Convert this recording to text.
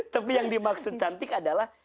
tapi yang dimaksud cantik adalah